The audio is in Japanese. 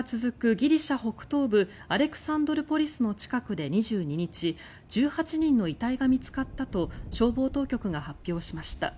ギリシャ北東部アレクサンドルポリスの近くで２２日１８人の遺体が見つかったと消防当局が発表しました。